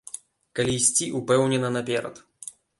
Калі ісці ўпэўнена наперад.